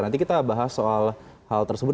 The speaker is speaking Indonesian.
nanti kita bahas soal hal tersebut